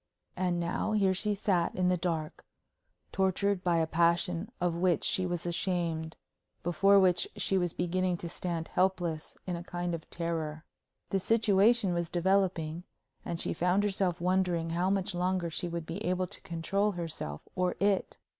And now, here she sat in the dark, tortured by a passion of which she was ashamed, before which she was beginning to stand helpless in a kind of terror. The situation was developing, and she found herself wondering how much longer she would be able to control herself or it.